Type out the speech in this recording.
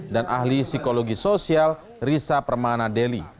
ahli psikologi sosial risa permana deli